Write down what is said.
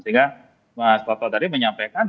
sehingga mas toto tadi menyampaikan